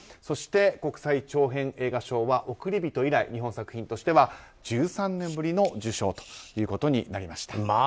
そして国際長編映画賞は「おくりびと」以来日本作品としては１３年ぶりの受賞ということになりました。